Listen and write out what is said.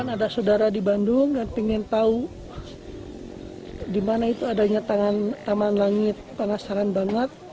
ada saudara di bandung yang ingin tahu di mana itu adanya taman langit penasaran banget